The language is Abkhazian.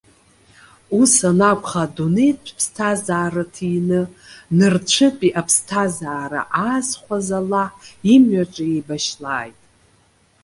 Ус анакәха, адунеитә ԥсҭазаара ҭины, нырцәытәи аԥсҭазаара аазхәаз, Аллаҳ имҩаҿы иеибашьлааит.